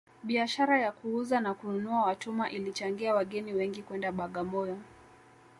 biashara ya kuuza na kununua watumwa ilichangia wageni wengi kwenda bagamoyo